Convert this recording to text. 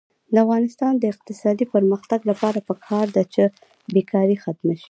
د افغانستان د اقتصادي پرمختګ لپاره پکار ده چې بېکاري ختمه شي.